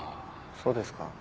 そうですか？